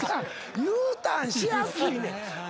Ｕターンしやすいねん。